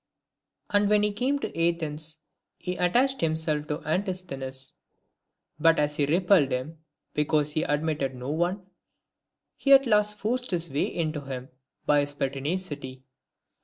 II. And when he came to Athens he attached himself to Antistheues ; but as he repelled him, because he admitted no one ; he at last forced his way to him by his pertinacity.